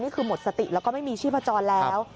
นี่คือหมดสติแล้วก็ไม่มีชื่อพจนแล้ว